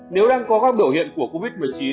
nếu đang có các biểu hiện của covid một mươi chín